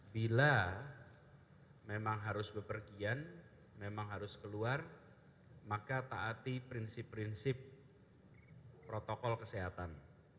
bila memang harus bepergian memang harus keluar maka taati prinsip prinsip protokol kesehatan